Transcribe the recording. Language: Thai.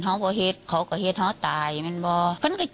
เขาก็เหตุเขาตายมันก็